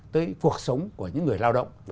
tới cuộc sống của những người lao động